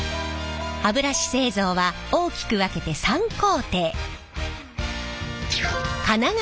歯ブラシ製造は大きく分けて３工程。